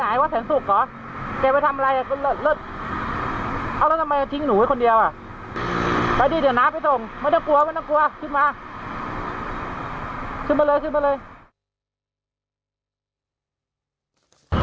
เดี๋ยวน้ำให้ส่งไม่ต้องกลัวไม่ต้องกลัวขึ้นมาคืนมาเลยซึ่งมาเลย